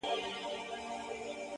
o سیاه پوسي ده. قندهار نه دی.